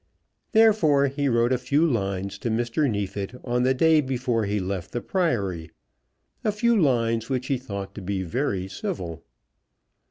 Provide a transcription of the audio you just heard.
Therefore he wrote a few lines to Mr. Neefit on the day before he left the Priory, a few lines which he thought to be very civil.